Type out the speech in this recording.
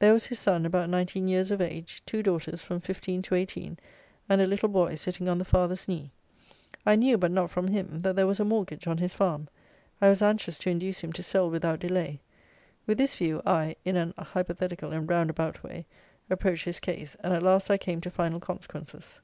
There was his son, about 19 years of age; two daughters from 15 to 18; and a little boy sitting on the father's knee. I knew, but not from him, that there was a mortgage on his farm. I was anxious to induce him to sell without delay. With this view I, in an hypothetical and round about way, approached his case, and at last I came to final consequences.